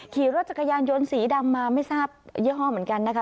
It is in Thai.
ขี่รถจักรยานยนต์สีดำมาไม่ทราบยี่ห้อเหมือนกันนะคะ